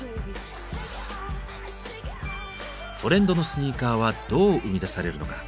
トレンドのスニーカーはどう生み出されるのか。